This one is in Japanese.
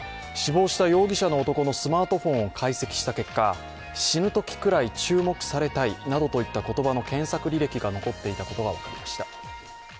死亡した容疑者の男のスマートフォンを解析した結果、死ぬときくらい注目されたいなどと言った言葉の検索履歴が残っていたことが分かりました。